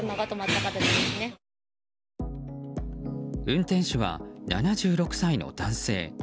運転手は、７６歳の男性。